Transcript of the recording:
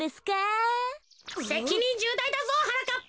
せきにんじゅうだいだぞはなかっぱ。